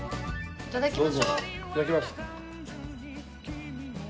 いただきます。